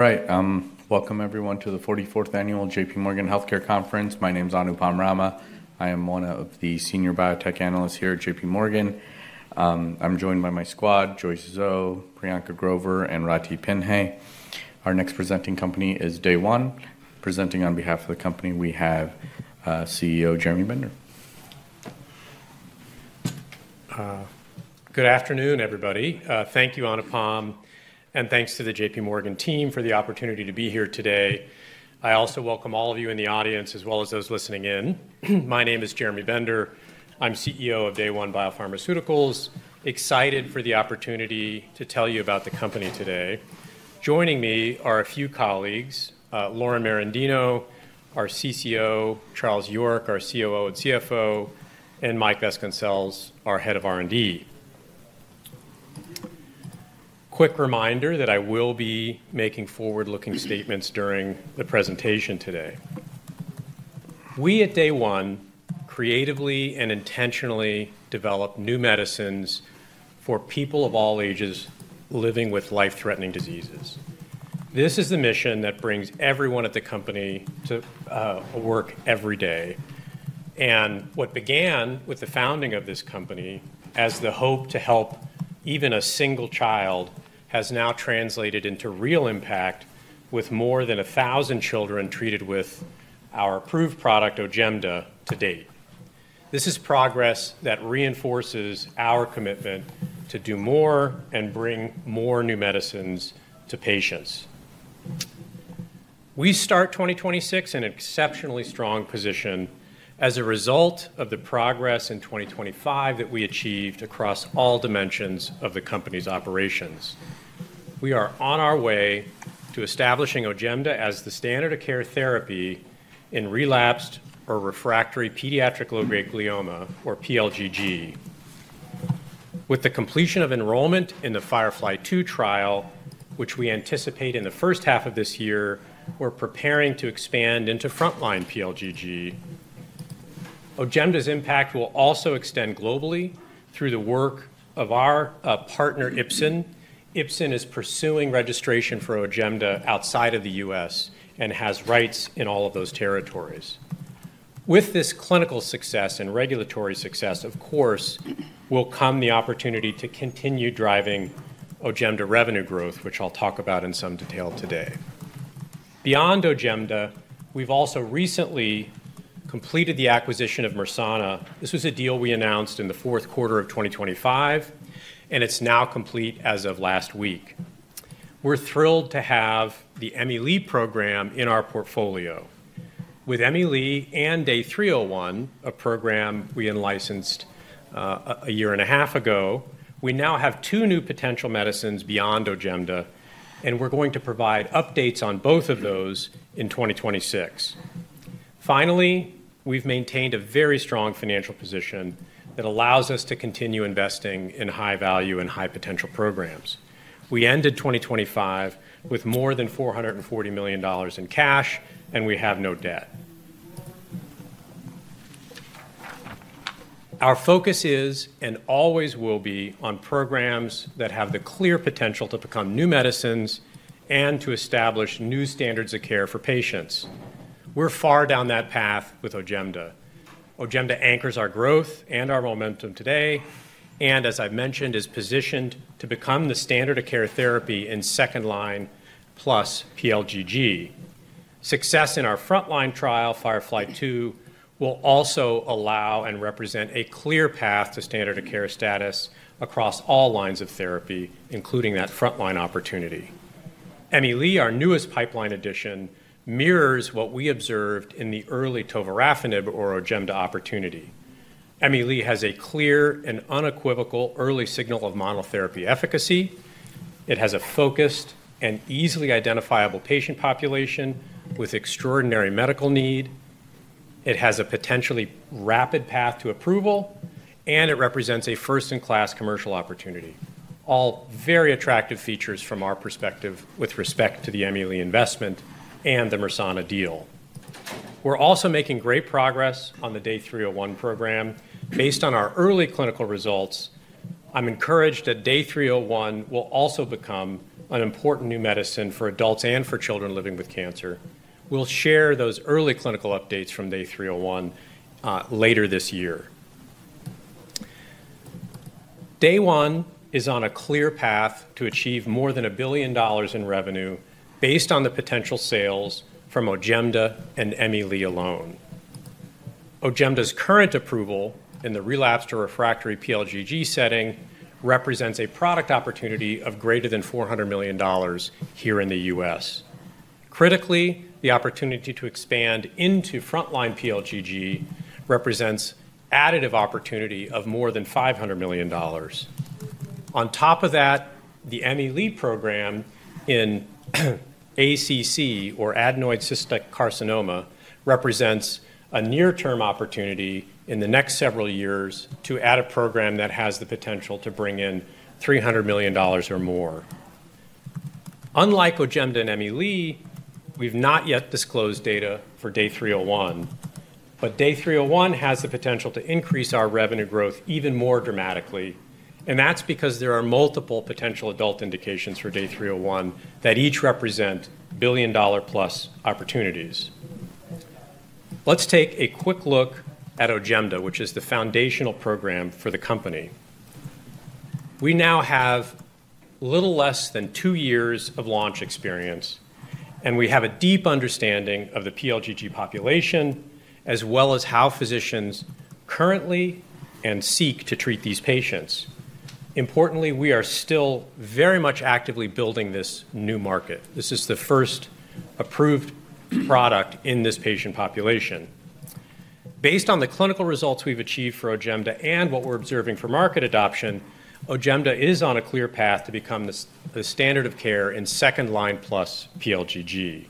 Right. Welcome, everyone, to the 44th Annual JPMorgan Healthcare Conference. My name is Anupam Rama. I am one of the Senior Biotech Analysts here at JPMorgan. I'm joined by my squad: Joyce Zhou, Priyanka Grover, and Ratih [Penhay]. Our next presenting company is Day One. Presenting on behalf of the company, we have CEO Jeremy Bender. Good afternoon, everybody. Thank you, Anupam, and thanks to the JPMorgan team for the opportunity to be here today. I also welcome all of you in the audience, as well as those listening in. My name is Jeremy Bender. I'm CEO of Day One Biopharmaceuticals. Excited for the opportunity to tell you about the company today. Joining me are a few colleagues: Lauren Merendino, our CCO; Charles York, our COO and CFO; and Mike Vasconcelles, our Head of R&D. Quick reminder that I will be making forward-looking statements during the presentation today. We, at Day One, creatively and intentionally develop new medicines for people of all ages living with life-threatening diseases. This is the mission that brings everyone at the company to work every day. What began with the founding of this company as the hope to help even a single child has now translated into real impact with more than 1,000 children treated with our approved product, OJEMDA, to date. This is progress that reinforces our commitment to do more and bring more new medicines to patients. We start 2026 in an exceptionally strong position as a result of the progress in 2025 that we achieved across all dimensions of the company's operations. We are on our way to establishing OJEMDA as the standard of care therapy in relapsed or refractory pediatric low-grade glioma, or pLGG. With the completion of enrollment in the FIREFLY-2 trial, which we anticipate in the first half of this year, we're preparing to expand into frontline pLGG. OJEMDA's impact will also extend globally through the work of our partner, Ipsen. Ipsen is pursuing registration for OJEMDA outside of the U.S. and has rights in all of those territories. With this clinical success and regulatory success, of course, will come the opportunity to continue driving OJEMDA revenue growth, which I'll talk about in some detail today. Beyond OJEMDA, we've also recently completed the acquisition of Mersana. This was a deal we announced in the fourth quarter of 2025, and it's now complete as of last week. We're thrilled to have the [Emmy Lee] program in our portfolio. With Emmy Lee and DAY301, a program we licensed a year and a half ago, we now have two new potential medicines beyond OJEMDA, and we're going to provide updates on both of those in 2026. Finally, we've maintained a very strong financial position that allows us to continue investing in high-value and high-potential programs. We ended 2025 with more than $440 million in cash, and we have no debt. Our focus is, and always will be, on programs that have the clear potential to become new medicines and to establish new standards of care for patients. We're far down that path with OJEMDA. OJEMDA anchors our growth and our momentum today, and, as I've mentioned, is positioned to become the standard of care therapy in second-line plus pLGG. Success in our frontline trial, FIREFLY-2, will also allow and represent a clear path to standard of care status across all lines of therapy, including that frontline opportunity. Emmy Lee, our newest pipeline addition, mirrors what we observed in the early tovorafenib or OJEMDA opportunity. Emmy Lee has a clear and unequivocal early signal of monotherapy efficacy. It has a focused and easily identifiable patient population with extraordinary medical need. It has a potentially rapid path to approval, and it represents a first-in-class commercial opportunity. All very attractive features from our perspective with respect to the Emmy Lee investment and the Mersana deal. We're also making great progress on the DAY301 program. Based on our early clinical results, I'm encouraged that DAY301 will also become an important new medicine for adults and for children living with cancer. We'll share those early clinical updates from DAY301 later this year. Day One is on a clear path to achieve more than $1 billion in revenue based on the potential sales from OJEMDA and Emmy Lee alone. OJEMDA's current approval in the relapsed or refractory pLGG setting represents a product opportunity of greater than $400 million here in the U.S. Critically, the opportunity to expand into frontline pLGG represents additive opportunity of more than $500 million. On top of that, the Emmy Lee program in ACC, or adenoid cystic carcinoma, represents a near-term opportunity in the next several years to add a program that has the potential to bring in $300 million or more. Unlike OJEMDA and Emmy Lee, we've not yet disclosed data for DAY301, but DAY301 has the potential to increase our revenue growth even more dramatically, and that's because there are multiple potential adult indications for DAY301 that each represent billion-dollar-plus opportunities. Let's take a quick look at OJEMDA, which is the foundational program for the company. We now have little less than two years of launch experience, and we have a deep understanding of the pLGG population, as well as how physicians currently and seek to treat these patients. Importantly, we are still very much actively building this new market. This is the first approved product in this patient population. Based on the clinical results we've achieved for OJEMDA and what we're observing for market adoption, OJEMDA is on a clear path to become the standard of care in second-line plus pLGG.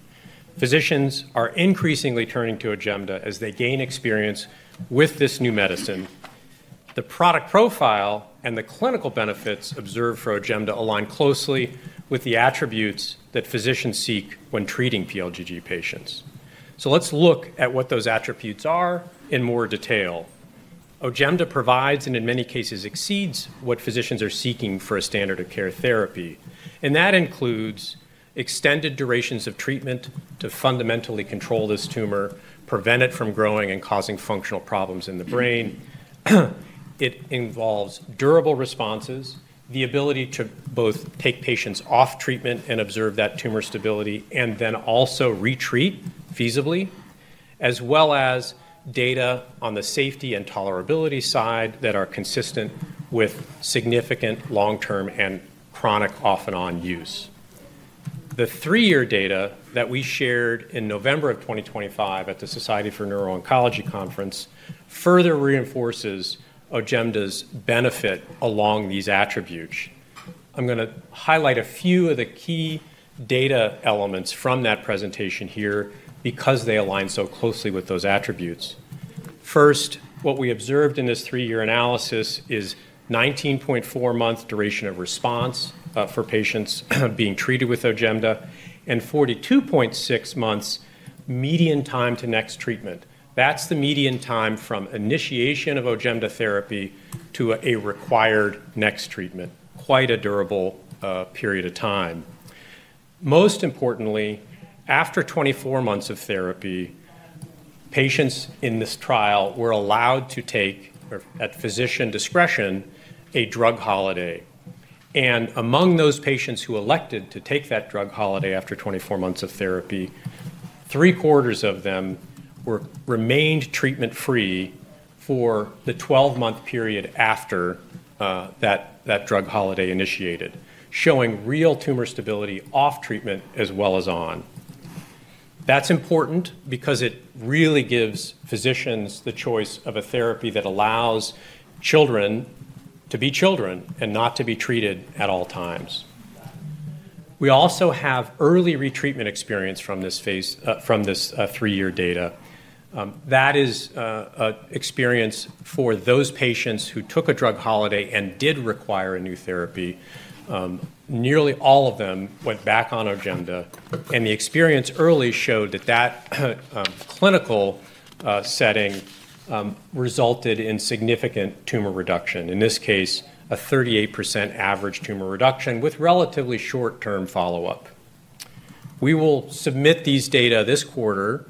Physicians are increasingly turning to OJEMDA as they gain experience with this new medicine. The product profile and the clinical benefits observed for OJEMDA align closely with the attributes that physicians seek when treating pLGG patients. So let's look at what those attributes are in more detail. OJEMDA provides and, in many cases, exceeds what physicians are seeking for a standard of care therapy, and that includes extended durations of treatment to fundamentally control this tumor, prevent it from growing and causing functional problems in the brain. It involves durable responses, the ability to both take patients off treatment and observe that tumor stability, and then also retreat feasibly, as well as data on the safety and tolerability side that are consistent with significant long-term and chronic off-and-on use. The three-year data that we shared in November of 2025 at the Society for Neuro-Oncology Conference further reinforces OJEMDA's benefit along these attributes. I'm going to highlight a few of the key data elements from that presentation here because they align so closely with those attributes. First, what we observed in this three-year analysis is 19.4 months' duration of response for patients being treated with OJEMDA and 42.6 months' median time to next treatment. That's the median time from initiation of OJEMDA therapy to a required next treatment. Quite a durable period of time. Most importantly, after 24 months of therapy, patients in this trial were allowed to take, at physician discretion, a drug holiday. And among those patients who elected to take that drug holiday after 24 months of therapy, three-quarters of them remained treatment-free for the 12-month period after that drug holiday initiated, showing real tumor stability off treatment as well as on. That's important because it really gives physicians the choice of a therapy that allows children to be children and not to be treated at all times. We also have early retreatment experience from this three-year data. That is experience for those patients who took a drug holiday and did require a new therapy. Nearly all of them went back on OJEMDA, and the experience early showed that that clinical setting resulted in significant tumor reduction, in this case, a 38% average tumor reduction with relatively short-term follow-up. We will submit these data this quarter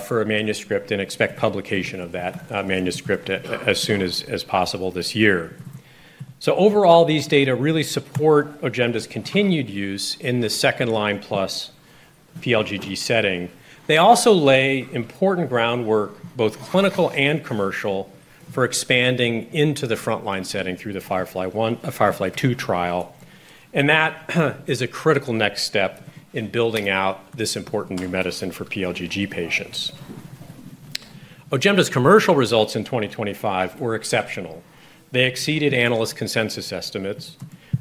for a manuscript and expect publication of that manuscript as soon as possible this year. So overall, these data really support OJEMDA's continued use in the second-line plus pLGG setting. They also lay important groundwork, both clinical and commercial, for expanding into the frontline setting through the FIREFLY-2 trial, and that is a critical next step in building out this important new medicine for pLGG patients. OJEMDA's commercial results in 2025 were exceptional. They exceeded analyst consensus estimates.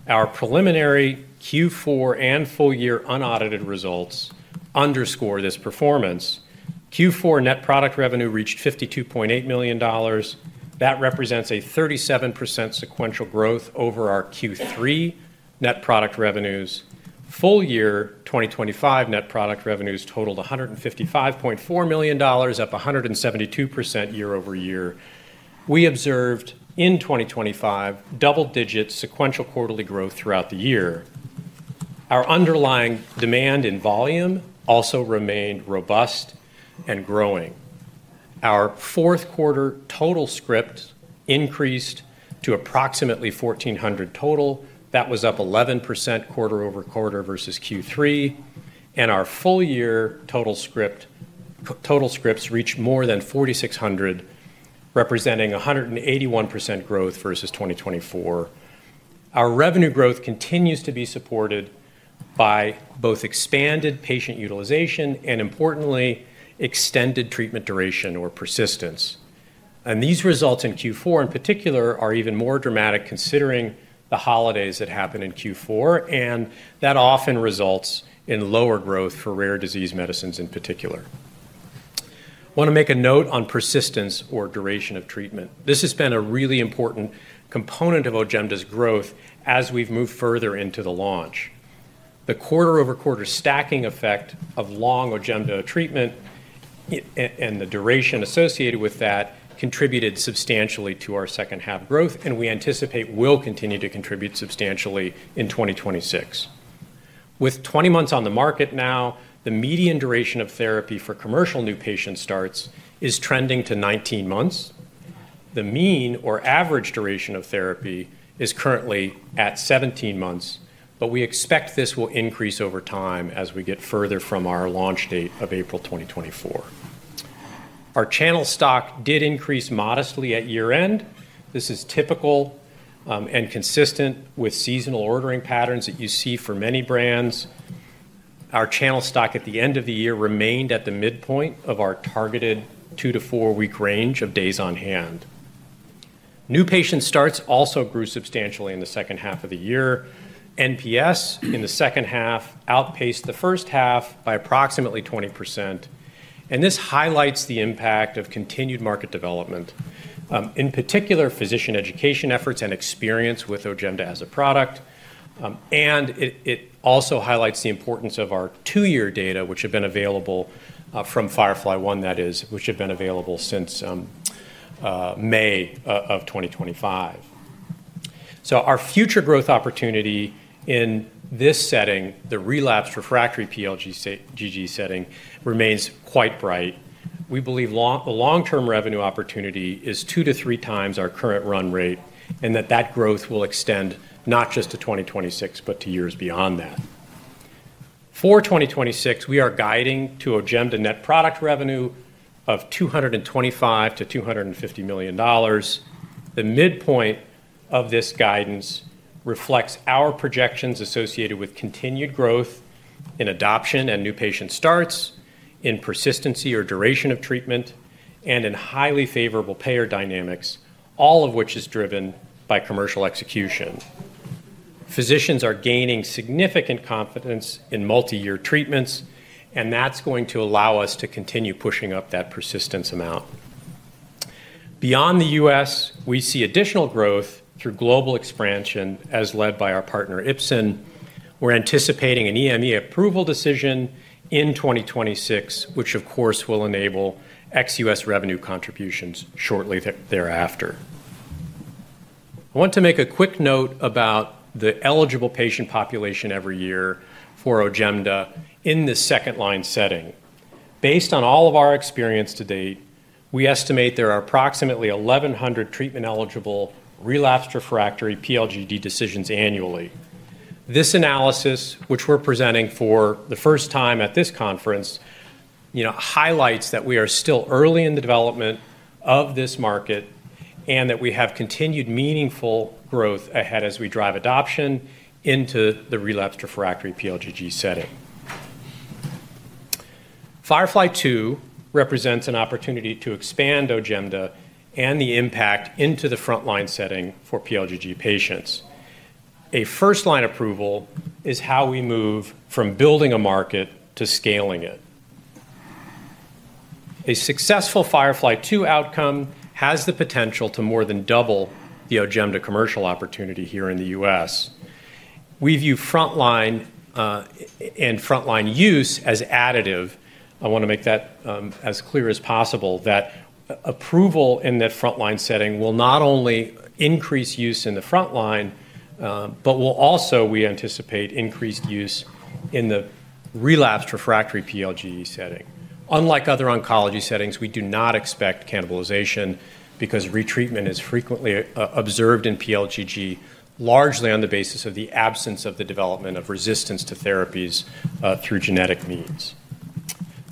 Our preliminary Q4 and full year unaudited results underscore this performance. Q4 net product revenue reached $52.8 million. That represents a 37% sequential growth over our Q3 net product revenues. full year 2025 net product revenues totaled $155.4 million, up 172% year-over-year. We observed in 2025 double-digit sequential quarterly growth throughout the year. Our underlying demand and volume also remained robust and growing. Our fourth quarter total script increased to approximately 1,400 total. That was up 11% quarter-over-quarter versus Q3, and our full year total scripts reached more than 4,600, representing 181% growth versus 2024. Our revenue growth continues to be supported by both expanded patient utilization and, importantly, extended treatment duration or persistence, and these results in Q4, in particular, are even more dramatic considering the holidays that happen in Q4, and that often results in lower growth for rare disease medicines in particular. I want to make a note on persistence or duration of treatment. This has been a really important component of OJEMDA's growth as we've moved further into the launch. The quarter-over-quarter stacking effect of long OJEMDA treatment and the duration associated with that contributed substantially to our second half growth, and we anticipate will continue to contribute substantially in 2026. With 20 months on the market now, the median duration of therapy for commercial new patient starts is trending to 19 months. The mean or average duration of therapy is currently at 17 months, but we expect this will increase over time as we get further from our launch date of April 2024. Our channel stock did increase modestly at year-end. This is typical and consistent with seasonal ordering patterns that you see for many brands. Our channel stock at the end of the year remained at the midpoint of our targeted two to four-week range of days on hand. New patient starts also grew substantially in the second half of the year. NPS in the second half outpaced the first half by approximately 20%, and this highlights the impact of continued market development, in particular physician education efforts and experience with OJEMDA as a product, and it also highlights the importance of our two-year data, which have been available from FIREFLY-1, that is, which have been available since May of 2025. So our future growth opportunity in this setting, the relapsed refractory pLGG setting, remains quite bright. We believe the long-term revenue opportunity is 2x-3x our current run-rate and that that growth will extend not just to 2026, but to years beyond that. For 2026, we are guiding to OJEMDA net product revenue of $225 million-$250 million. The midpoint of this guidance reflects our projections associated with continued growth in adoption and new patient starts, in persistency or duration of treatment, and in highly favorable payer dynamics, all of which is driven by commercial execution. Physicians are gaining significant confidence in multi-year treatments, and that's going to allow us to continue pushing up that persistence amount. Beyond the U.S., we see additional growth through global expansion as led by our partner Ipsen. We're anticipating an [EME] approval decision in 2026, which, of course, will enable ex-U.S. revenue contributions shortly thereafter. I want to make a quick note about the eligible patient population every year for OJEMDA in this second-line setting. Based on all of our experience to date, we estimate there are approximately 1,100 treatment-eligible relapsed refractory pLGG decisions annually. This analysis, which we're presenting for the first time at this conference, highlights that we are still early in the development of this market and that we have continued meaningful growth ahead as we drive adoption into the relapsed refractory pLGG setting. FIREFLY-2 represents an opportunity to expand OJEMDA and the impact into the frontline setting for pLGG patients. A first-line approval is how we move from building a market to scaling it. A successful FIREFLY-2 outcome has the potential to more than double the OJEMDA commercial opportunity here in the U.S. We view frontline and frontline use as additive. I want to make that as clear as possible that approval in that frontline setting will not only increase use in the frontline, but will also, we anticipate, increase use in the relapsed refractory pLGG setting. Unlike other oncology settings, we do not expect cannibalization because retreatment is frequently observed in pLGG largely on the basis of the absence of the development of resistance to therapies through genetic means.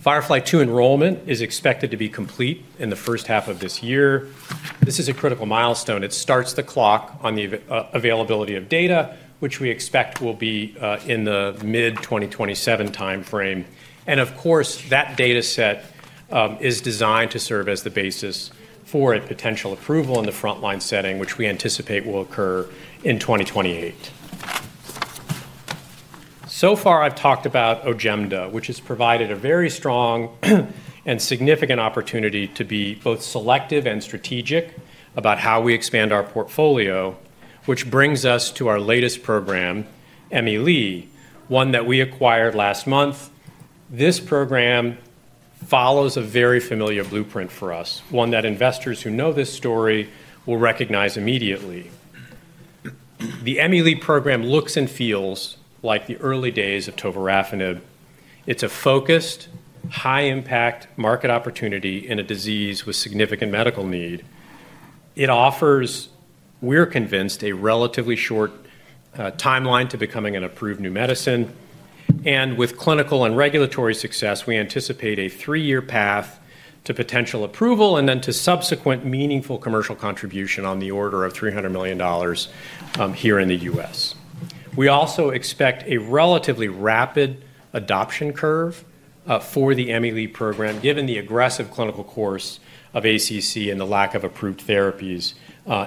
FIREFLY-2 enrollment is expected to be complete in the first half of this year. This is a critical milestone. It starts the clock on the availability of data, which we expect will be in the mid-2027 timeframe. And of course, that data set is designed to serve as the basis for a potential approval in the frontline setting, which we anticipate will occur in 2028. So far, I've talked about OJEMDA, which has provided a very strong and significant opportunity to be both selective and strategic about how we expand our portfolio, which brings us to our latest program, Emmy Lee, one that we acquired last month. This program follows a very familiar blueprint for us, one that investors who know this story will recognize immediately. The Emmy Lee program looks and feels like the early days of tovorafenib. It's a focused, high-impact market opportunity in a disease with significant medical need. It offers, we're convinced, a relatively short timeline to becoming an approved new medicine. And with clinical and regulatory success, we anticipate a three-year path to potential approval and then to subsequent meaningful commercial contribution on the order of $300 million here in the U.S. We also expect a relatively rapid adoption curve for the Emmy Lee program given the aggressive clinical course of ACC and the lack of approved therapies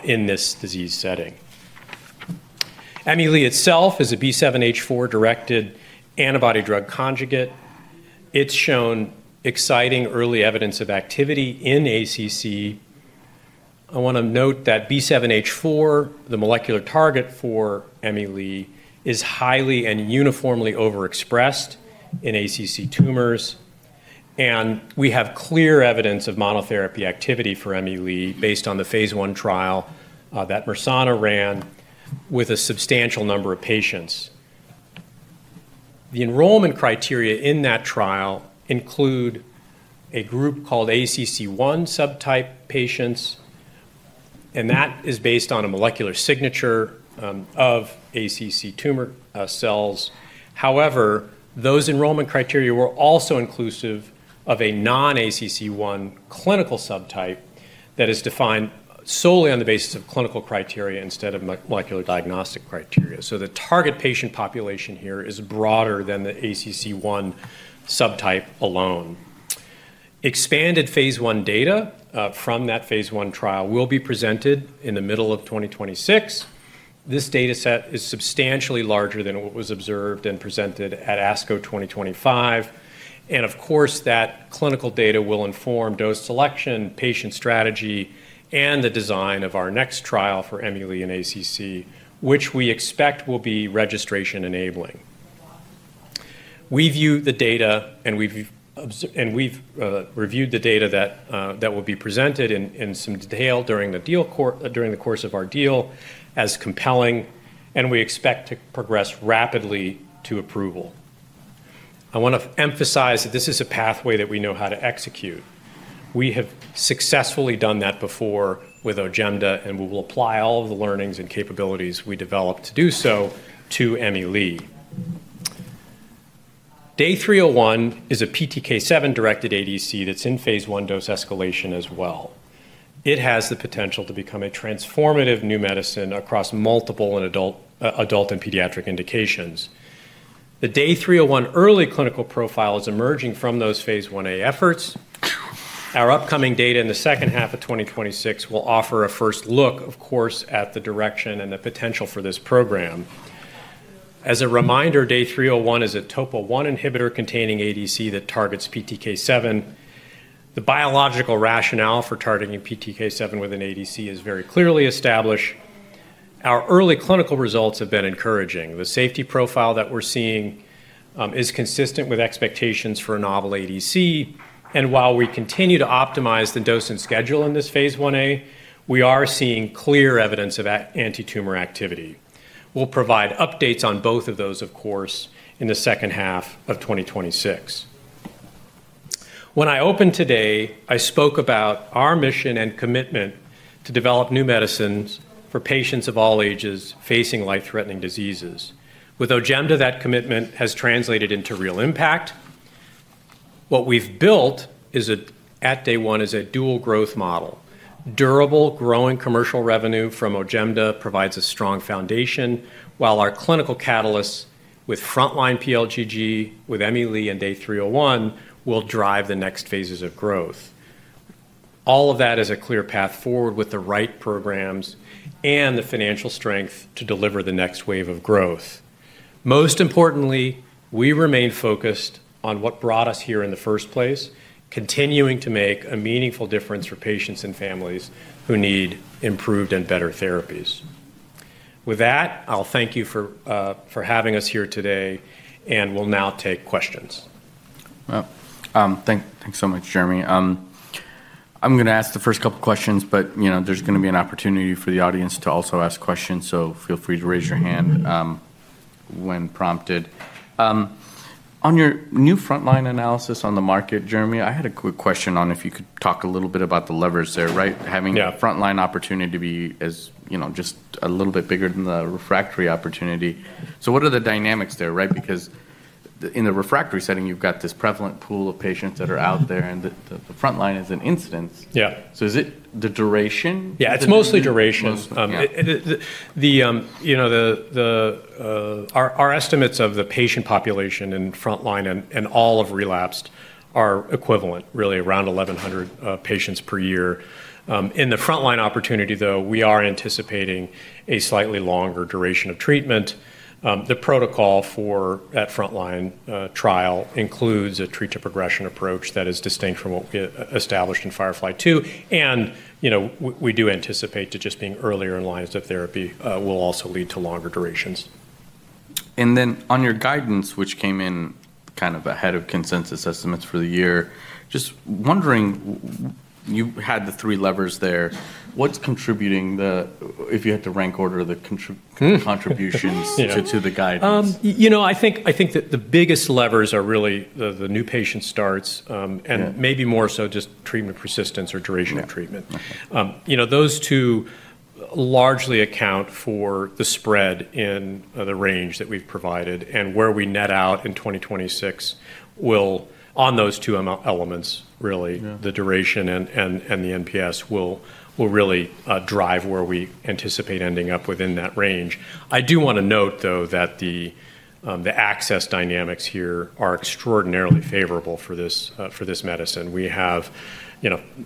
in this disease setting. Emmy Lee itself is a B7-H4-directed antibody-drug conjugate. It's shown exciting early evidence of activity in ACC. I want to note that B7-H4, the molecular target for Emmy Lee, is highly and uniformly overexpressed in ACC tumors, and we have clear evidence of monotherapy activity for Emmy Lee based on the phase I trial that Mersana ran with a substantial number of patients. The enrollment criteria in that trial include a group called ACC1 subtype patients, and that is based on a molecular signature of ACC tumor cells. However, those enrollment criteria were also inclusive of a non-ACC1 clinical subtype that is defined solely on the basis of clinical criteria instead of molecular diagnostic criteria. So the target patient population here is broader than the ACC1 subtype alone. Expanded phase I data from that phase I trial will be presented in the middle of 2026. This data set is substantially larger than what was observed and presented at ASCO 2025. Of course, that clinical data will inform dose selection, patient strategy, and the design of our next trial for Emmy Lee and ACC, which we expect will be registration-enabling. We view the data, and we've reviewed the data that will be presented in some detail during the course of our deal as compelling, and we expect to progress rapidly to approval. I want to emphasize that this is a pathway that we know how to execute. We have successfully done that before with OJEMDA, and we will apply all of the learnings and capabilities we developed to do so to Emmy Lee. DAY301 is a PTK7-directed ADC that's in phase I dose escalation as well. It has the potential to become a transformative new medicine across multiple adult and pediatric indications. The DAY301 early clinical profile is emerging from those phase I-A efforts. Our upcoming data in the second half of 2026 will offer a first look, of course, at the direction and the potential for this program. As a DAY301 is a TOPO1 inhibitor-containing ADC that targets PTK7. The biological rationale for targeting PTK7 with an ADC is very clearly established. Our early clinical results have been encouraging. The safety profile that we're seeing is consistent with expectations for a novel ADC. And while we continue to optimize the dose and schedule in this phase I-A, we are seeing clear evidence of antitumor activity. We'll provide updates on both of those, of course, in the second half of 2026. When I opened today, I spoke about our mission and commitment to develop new medicines for patients of all ages facing life-threatening diseases. With OJEMDA, that commitment has translated into real impact. What we've built at Day One is a dual growth model. Durable, growing commercial revenue from OJEMDA provides a strong foundation, while our clinical catalysts with frontline pLGG, with Emmy Lee and DAY301 will drive the next phases of growth. All of that is a clear path forward with the right programs and the financial strength to deliver the next wave of growth. Most importantly, we remain focused on what brought us here in the first place, continuing to make a meaningful difference for patients and families who need improved and better therapies. With that, I'll thank you for having us here today, and we'll now take questions. Thanks so much, Jeremy. I'm going to ask the first couple of questions, but there's going to be an opportunity for the audience to also ask questions, so feel free to raise your hand when prompted. On your new frontline analysis on the market, Jeremy, I had a quick question on if you could talk a little bit about the levers there, right? Having a frontline opportunity to be just a little bit bigger than the refractory opportunity. So what are the dynamics there, right? Because in the refractory setting, you've got this prevalent pool of patients that are out there, and the frontline is an incidence. So is it the duration? Yeah, it's mostly duration. Our estimates of the patient population in frontline and all of relapsed are equivalent, really, around 1,100 patients per year. In the frontline opportunity, though, we are anticipating a slightly longer duration of treatment. The protocol for that frontline trial includes a treat-to-progression approach that is distinct from what we established in FIREFLY-2, and we do anticipate that just being earlier in lines of therapy will also lead to longer durations. And then on your guidance, which came in kind of ahead of consensus estimates for the year, just wondering, you had the three levers there. What's contributing, if you had to rank order the contributions to the guidance? You know, I think that the biggest levers are really the new patient starts and maybe more so just treatment persistence or duration of treatment. Those two largely account for the spread in the range that we've provided, and where we net out in 2026 will, on those two elements, really, the duration and the NPS will really drive where we anticipate ending up within that range. I do want to note, though, that the access dynamics here are extraordinarily favorable for this medicine. We have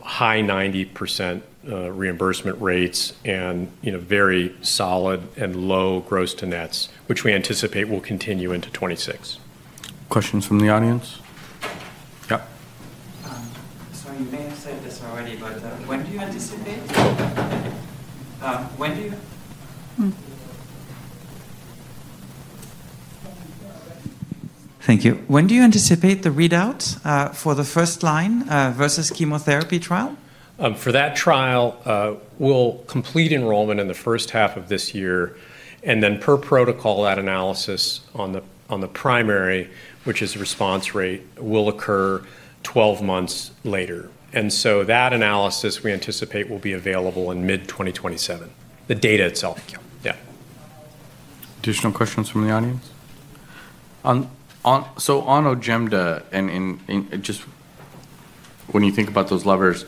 high 90% reimbursement rates and very solid and low gross to nets, which we anticipate will continue into 2026. Questions from the audience? Yeah. Sorry, you may have said this already, but when do you anticipate? Thank you. When do you anticipate the readout for the first-line versus chemotherapy trial? For that trial, we'll complete enrollment in the first half of this year, and then per protocol, that analysis on the primary, which is response rate, will occur 12 months later. And so that analysis we anticipate will be available in mid-2027. The data itself, yeah. Additional questions from the audience? So, on OJEMDA, and just when you think about those levers,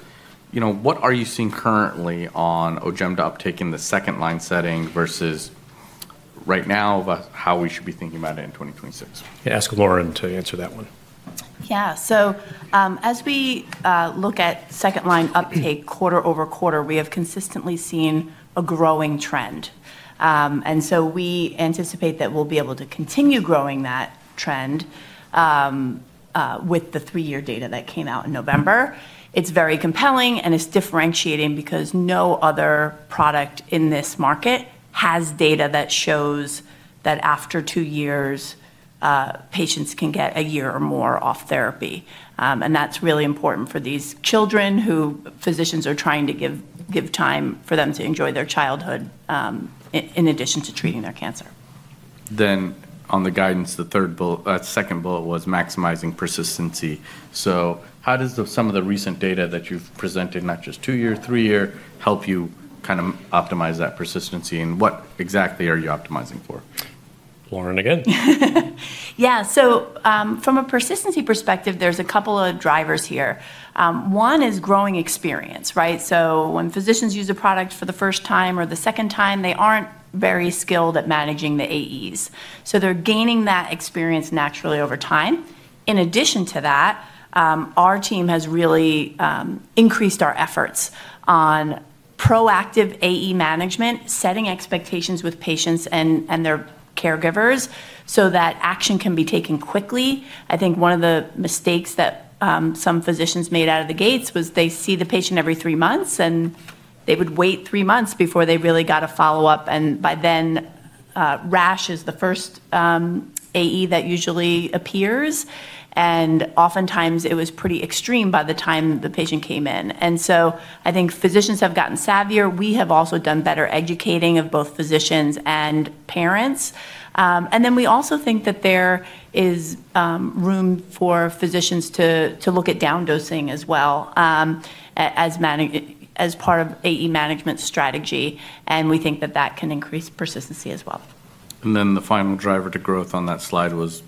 what are you seeing currently on OJEMDA uptake in the second-line setting versus right now about how we should be thinking about it in 2026? Yeah, ask Lauren to answer that one. Yeah, so as we look at second-line uptake quarter-over-quarter, we have consistently seen a growing trend, and so we anticipate that we'll be able to continue growing that trend with the three-year data that came out in November. It's very compelling, and it's differentiating because no other product in this market has data that shows that after two years, patients can get a year or more off therapy, and that's really important for these children who physicians are trying to give time for them to enjoy their childhood in addition to treating their cancer. Then on the guidance, the third bullet, second bullet was maximizing persistency. So how does some of the recent data that you've presented, not just two-year, three-year, help you kind of optimize that persistency? And what exactly are you optimizing for? Lauren again. Yeah, so from a persistency perspective, there's a couple of drivers here. One is growing experience, right? So when physicians use a product for the first time or the second time, they aren't very skilled at managing the AEs. So they're gaining that experience naturally over time. In addition to that, our team has really increased our efforts on proactive AE management, setting expectations with patients and their caregivers so that action can be taken quickly. I think one of the mistakes that some physicians made out of the gates was they see the patient every three months, and they would wait three months before they really got a follow-up. And by then, rash is the first AE that usually appears. And oftentimes, it was pretty extreme by the time the patient came in. And so I think physicians have gotten savvier. We have also done better educating of both physicians and parents, and then we also think that there is room for physicians to look at down-dosing as well as part of AE management strategy, and we think that that can increase persistency as well. And then the final driver to growth on that slide was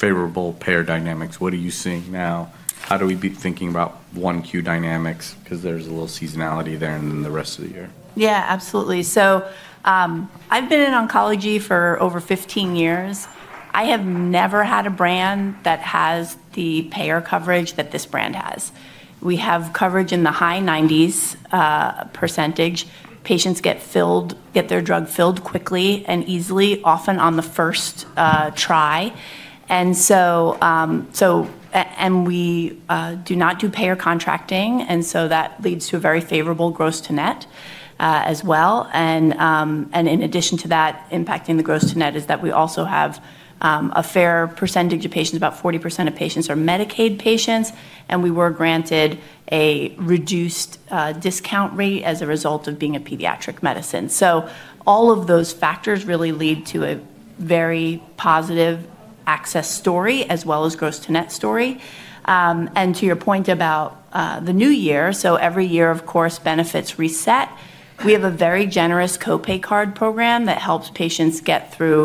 favorable payer dynamics. What are you seeing now? How do we be thinking about OJEMDA dynamics? Because there's a little seasonality there and then the rest of the year. Yeah, absolutely. So I've been in oncology for over 15 years. I have never had a brand that has the payer coverage that this brand has. We have coverage in the high 90s percentage. Patients get their drug filled quickly and easily, often on the first try. And we do not do payer contracting, and so that leads to a very favorable gross to net as well. And in addition to that, impacting the gross to net is that we also have a fair percentage of patients, about 40% of patients are Medicaid patients, and we were granted a reduced discount rate as a result of being a pediatric medicine. So all of those factors really lead to a very positive access story as well as gross to net story. And to your point about the new year, so every year, of course, benefits reset. We have a very generous copay card program that helps patients get through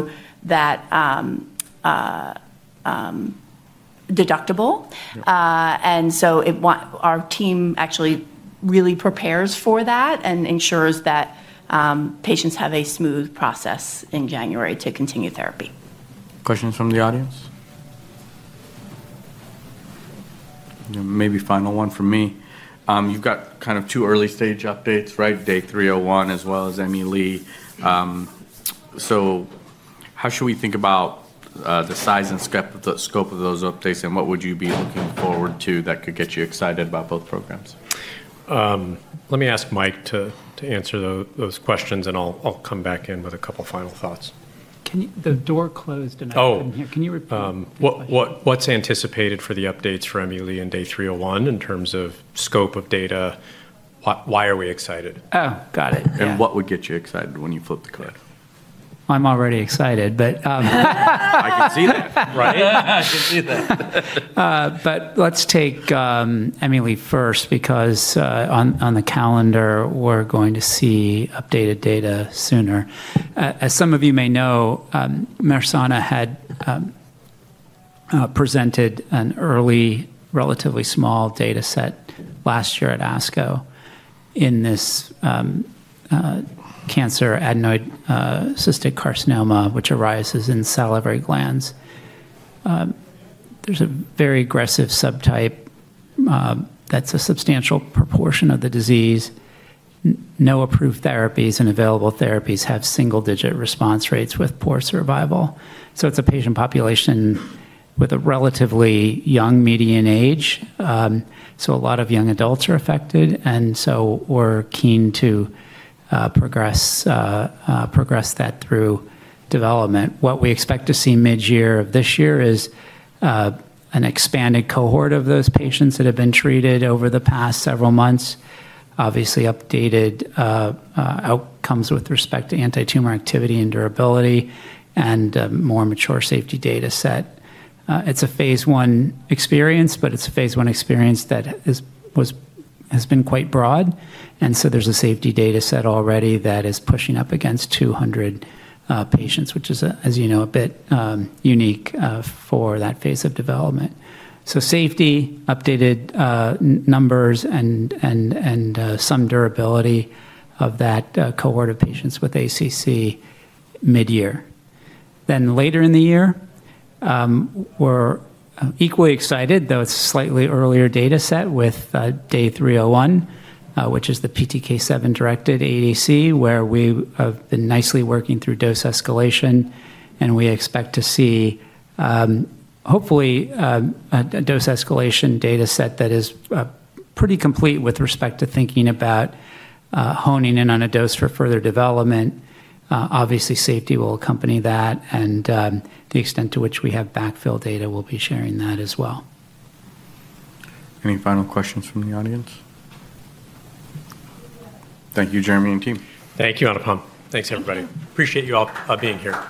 that deductible, and so our team actually really prepares for that and ensures that patients have a smooth process in January to continue therapy. Questions from the audience? Maybe final one from me. You've got kind of two early-stage updates, DAY301 as well as Emmy Lee. So how should we think about the size and scope of those updates, and what would you be looking forward to that could get you excited about both programs? Let me ask Mike to answer those questions, and I'll come back in with a couple of final thoughts. The door closed and I couldn't hear. Can you repeat? What's anticipated for the updates for Emmy Lee DAY301 in terms of scope of data? Why are we excited? Oh, got it. What would get you excited when you flip the card? I'm already excited, but. I can see that, right? I can see that. But let's take Emmy Lee first because on the calendar, we're going to see updated data sooner. As some of you may know, Mersana had presented an early, relatively small data set last year at ASCO in this cancer, Adenoid Cystic Carcinoma, which arises in salivary glands. There's a very aggressive subtype that's a substantial proportion of the disease. No approved therapies and available therapies have single-digit response rates with poor survival. So it's a patient population with a relatively young median age. So a lot of young adults are affected, and so we're keen to progress that through development. What we expect to see mid-year of this year is an expanded cohort of those patients that have been treated over the past several months, obviously updated outcomes with respect to antitumor activity and durability, and more mature safety data set. It's a phase I experience, but it's a phase I experience that has been quite broad. And so there's a safety data set already that is pushing up against 200 patients, which is, as you know, a bit unique for that phase of development. So safety, updated numbers, and some durability of that cohort of patients with ACC mid-year. Then later in the year, we're equally excited, though it's slightly earlier data set with DAY301, which is the PTK7-directed ADC, where we have been nicely working through dose escalation, and we expect to see, hopefully, a dose escalation data set that is pretty complete with respect to thinking about honing in on a dose for further development. Obviously, safety will accompany that, and the extent to which we have backfill data will be sharing that as well. Any final questions from the audience? Thank you, Jeremy and team. Thank you, Anupam. Thanks, everybody. Appreciate you all being here.